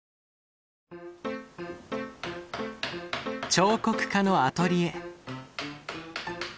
彫刻家のアトリエ。